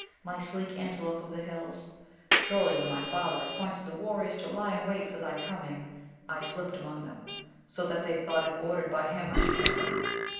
my sleek antelope of the hills! Surely when my father appointed the warriors to lie in wait for thy coming, I slipped among them, so that they thought it ordered by him I should head them.